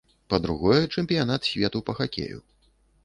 Па-другое, чэмпіянат свету па хакею.